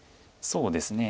そうですね。